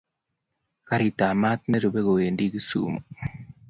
Garitab maat nerube kowendi kisumu